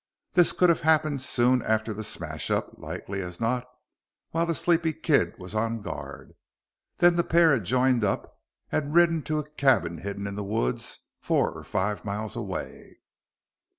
This could have happened soon after the smash up, likely as not while that sleepy kid was on guard. Then the pair had joined up again and ridden to a cabin hidden in the woods four or five miles away.